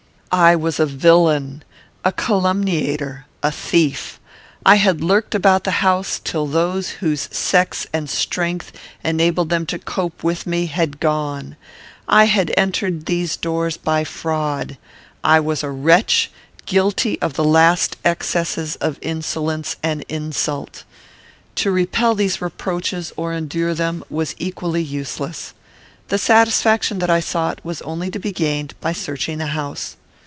I was a villain, a calumniator, a thief. I had lurked about the house, till those whose sex and strength enabled them to cope with me had gone. I had entered these doors by fraud. I was a wretch, guilty of the last excesses of insolence and insult. To repel these reproaches, or endure them, was equally useless. The satisfaction that I sought was only to be gained by searching the house.